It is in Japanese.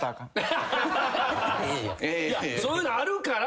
そういうのあるから。